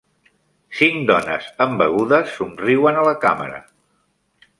Cinc dones amb begudes somriuen a la càmera